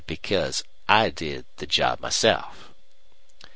"Because I did the job myself."